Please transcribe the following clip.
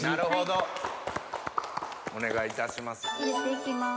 お願いいたします。